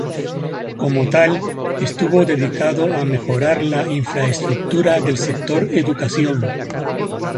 Como tal, estuvo dedicado a mejorar la infraestructura del sector educación.